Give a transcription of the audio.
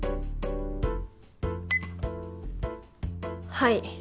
はい。